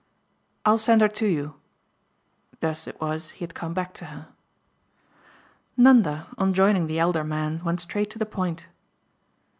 "I'll send her to you." Thus it was he had come back to her. Nanda, on joining the elder man, went straight to the point.